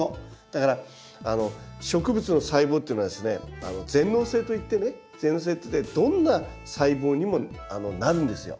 だから植物の細胞っていうのはですね全能性といってね全能性といってどんな細胞にもなるんですよ。